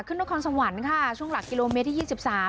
ขึ้นทะคอนสมวันค่ะช่วงหลักกิโลเมตรที่ยี่สิบสาม